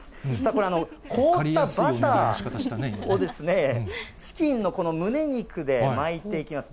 これ、凍ったバターを、チキンのこのむね肉で巻いていきます。